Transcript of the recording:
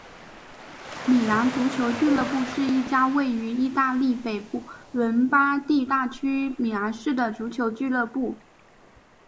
米兰足球俱乐部是一家位于义大利北部伦巴第大区米兰市的足球俱乐部。